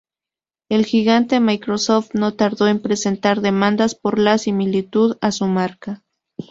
El gigante Microsoft no tardó en presentar demandas por la similitud a su marca.